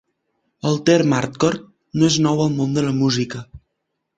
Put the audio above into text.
El terme hardcore no és nou al món de la música.